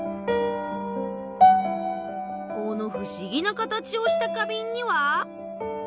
このふしぎな形をした花瓶には？